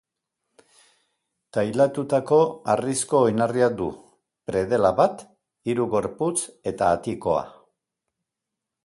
Tailatutako harrizko oinarria du, predela bat, hiru gorputz eta atikoa.